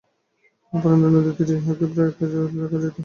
অপরাহ্নে নদীতীরে ইহাকে প্রায় এই কাজে নিযুক্ত দেখা যাইত।